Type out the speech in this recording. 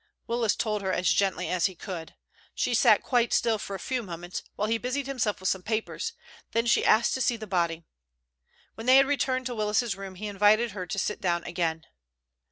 Willis told her as gently as he could. She sat quite still for a few moments, while he busied himself with some papers, then she asked to see the body. When they had returned to Willis's room he invited her to sit down again.